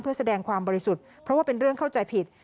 เพื่อแสดงความบริสุทธิ์เพราะว่าเป็นเรื่องเข้าใจผิด